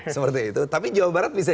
seperti itu tapi jawa barat bisa